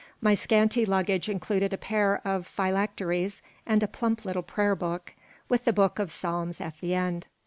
My scanty luggage included a pair of phylacteries and a plump little prayer book, with the Book of Psalms at the end.